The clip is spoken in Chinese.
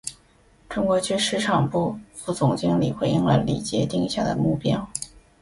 中国区市场部副总经理回应了李杰定下的目标